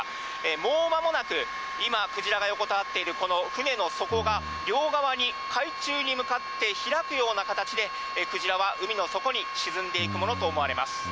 もうまもなく、今、クジラが横たわっているこの船の底が両側に海中に向かって開くような形で、クジラは海の底に沈んでいくものと思われます。